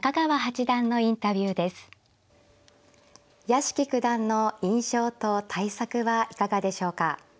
屋敷九段の印象と対策はいかがでしょうか。